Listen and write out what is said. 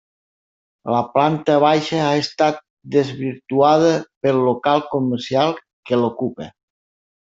La planta baixa ha estat desvirtuada pel local comercial que l'ocupa.